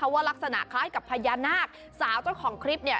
ว่ารักษณะคล้ายกับพญานาคสาวเจ้าของคลิปเนี่ย